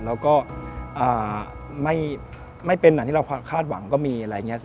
แล้วก็ไม่เป็นอย่างที่เราคาดหวังก็มี